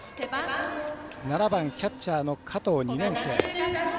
７番キャッチャーの加藤２年生。